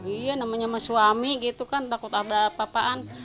iya namanya sama suami gitu kan takut ada apa apaan